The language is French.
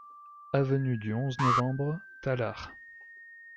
Avenue du onze Novembre, Tallard